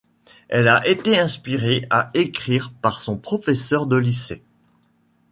Elle a été inspirée à écrire par son professeur de lycée.